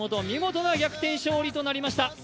見事な逆転勝利となりました。